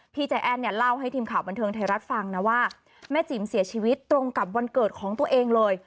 ใจแอ้นเนี่ยเล่าให้ทีมข่าวบันเทิงไทยรัฐฟังนะว่าแม่จิ๋มเสียชีวิตตรงกับวันเกิดของตัวเองเลย